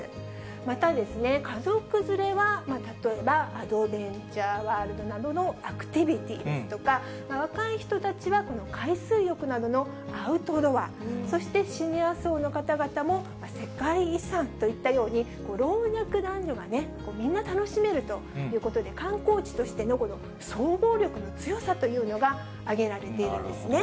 また、家族連れは例えばアドベンチャーワールドなどのアクティビティですとか、若い人たちは、この海水浴などのアウトドア、そしてシニア層の方々も世界遺産といったように、老若男女がみんな楽しめるということで、観光地としての総合力の強さというのが挙げられているんですね。